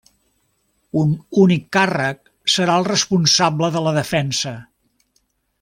Un únic càrrec serà el responsable de la defensa.